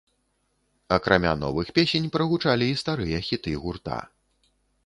Акрамя новых песень прагучалі і старыя хіты гурта.